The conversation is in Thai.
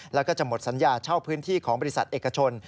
แล้วก็จะหมดสัญญาเช่าพื้นที่ของบริษัทเอกชน